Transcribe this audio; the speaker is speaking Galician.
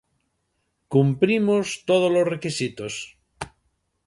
Cumprimos todos os requisitos.